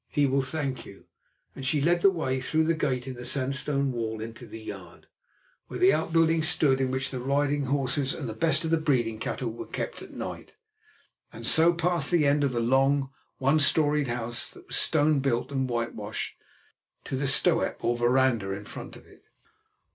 He will thank you," and she led the way through the gate in the sandstone wall into the yard, where the outbuildings stood in which the riding horses and the best of the breeding cattle were kept at night, and so past the end of the long, one storied house, that was stone built and whitewashed, to the stoep or veranda in front of it.